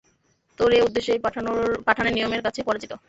তোর এ উদ্দেশ্য এই পাঠানের নিয়মের কাছে পরাজিত।